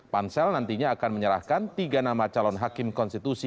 pansel nantinya akan menyerahkan tiga nama calon hakim konstitusi